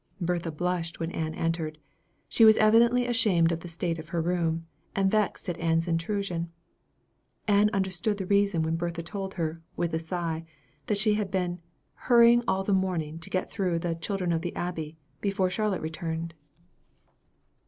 Bertha blushed when Ann entered. She was evidently ashamed of the state of her room, and vexed at Ann's intrusion. Ann understood the reason when Bertha told her, with a sigh, that she had been "hurrying all the morning to get through the 'Children of the Abbey,' before Charlotte returned."